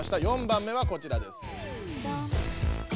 ４番目はこちらです。